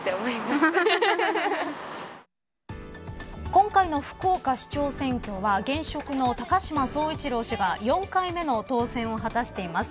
今回の福岡市長選挙は現職の高島宗一郎氏が４回目の当選を果たしています。